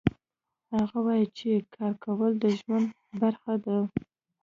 هغه وایي چې کار کول د ژوند برخه ده